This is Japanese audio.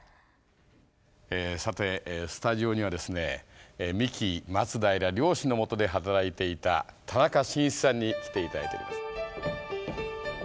さてスタジオにはですね三木松平両氏のもとで働いていた田中眞一さんに来て頂いております。